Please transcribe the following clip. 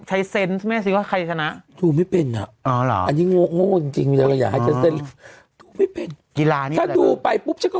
แต่ถ้าเปล่า๘เปล่า๙นี้โอเค